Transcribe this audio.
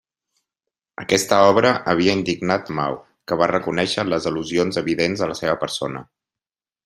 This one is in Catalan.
Aquesta obra havia indignat Mao, que va reconèixer les al·lusions evidents a la seva persona.